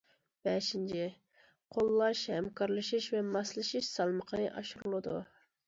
بەشىنچى، قوللاش، ھەمكارلىشىش ۋە ماسلىشىش سالمىقى ئاشۇرۇلىدۇ.